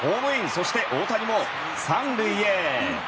そして、大谷も３塁へ！